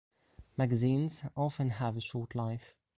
Magazines often have a short life.